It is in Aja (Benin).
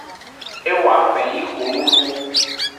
E woafen yi xonuxu.